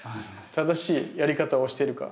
正しいやり方をしてるか。